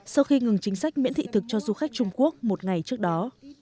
sau khi ngừng chính sách miễn thị thực cho du khách trung quốc một ngày trước đó